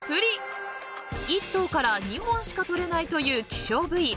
［一頭から２本しか取れないという希少部位